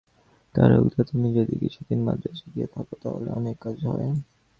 তারক-দা, তুমি যদি কিছুদিন মান্দ্রাজে গিয়ে থাক, তাহলে অনেক কাজ হয়।